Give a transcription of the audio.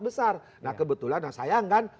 besar nah kebetulan yang sayang kan